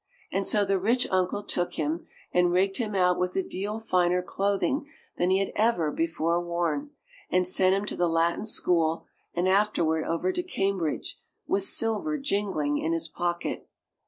And so the rich uncle took him, and rigged him out with a deal finer clothing than he had ever before worn, and sent him to the Latin School and afterward over to Cambridge, with silver jingling in his pocket.